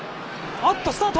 あっと、スタート。